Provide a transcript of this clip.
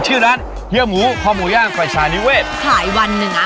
ชื่อร้านเมื่อหมูขอหมูย่างแขวะชานิเวชขายวันหนึ่ง